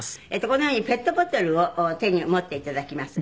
このようにペットボトルを手に持って頂きます。